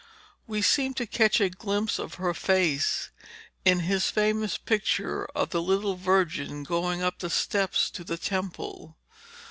We seem to catch a glimpse of her face in his famous picture of the little Virgin going up the steps to the temple.